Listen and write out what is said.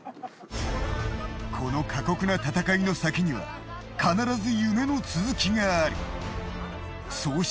この過酷な戦いの先には必ず夢の続きがある。